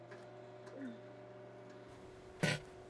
El pico es azul pálido y las patas azul grisáceo.